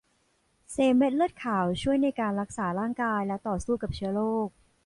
เซลล์เม็ดเลือดขาวช่วยในการรักษาร่างกายและต่อสู้กับเชื้อโรค